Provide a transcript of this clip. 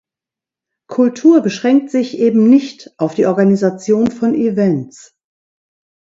Kultur beschränkt sich eben nicht auf die Organisation von Events.